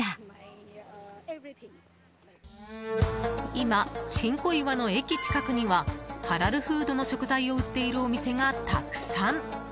今、新小岩の駅近くにはハラルフードの食材を売っているお店がたくさん。